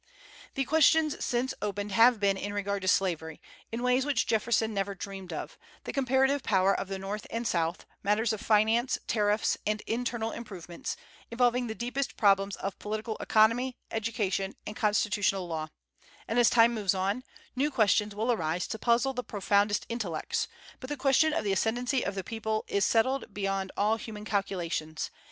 The questions since opened have been in regard to slavery, in ways which Jefferson never dreamed of, the comparative power of the North and South, matters of finance, tariffs, and internal improvements, involving the deepest problems of political economy, education, and constitutional law; and as time moves on, new questions will arise to puzzle the profoundest intellects; but the question of the ascendency of the people is settled beyond all human calculations.